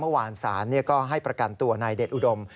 เมื่อวานศาลก็ให้ประกันตัวนายเดชอุดม